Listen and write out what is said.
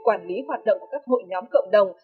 quản lý hoạt động của các hội nhóm cộng đồng